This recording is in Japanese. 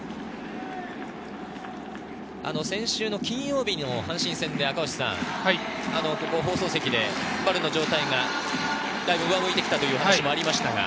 先週金曜日の阪神戦で、放送席で丸の状態がだいぶ上向いてきたというお話がありました。